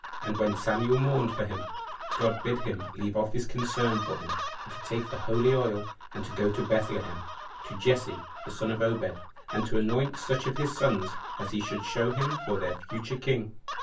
And when Samuel mourned for him, God bid him leave off his concern for him, and to take the holy oil, and go to Bethlehem, to Jesse the son of Obed, and to anoint such of his sons as he should show him for their future king.